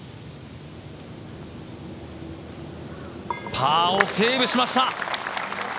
パーをセーブしました！